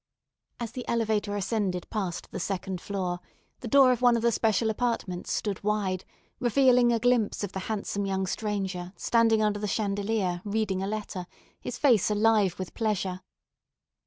As the elevator ascended past the second floor, the door of one of the special apartments stood wide, revealing a glimpse of the handsome young stranger standing under the chandelier reading a letter, his face alive with pleasure.